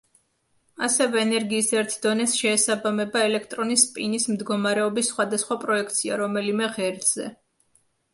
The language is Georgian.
ასევე ენერგიის ერთ დონეს შეესაბამება ელექტრონის სპინის მდგომარეობის სხვადასხვა პროექცია რომელიმე ღერძზე.